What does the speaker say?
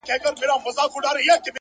وخت لکه سره زر.